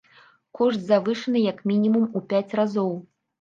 Кошт завышаны як мінімум у пяць разоў!